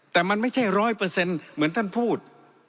แต่มันไม่ใช่ร้อยเปอร์เซ็นต์เหมือนท่านพูด